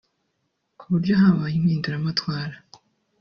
ku buryo habaye impinduramatwara